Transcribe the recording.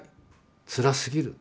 つらすぎる。